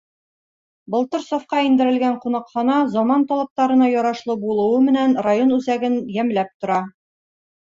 Былтыр сафҡа индерелгән ҡунаҡхана заман талаптарына ярашлы булыуы менән район үҙәген йәмләп тора.